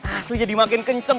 asli jadi makin kenceng